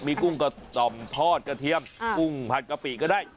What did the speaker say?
มีกุ้งกระจ่อมทอดกระเทียมกุ้งผัดกะปิก็ได้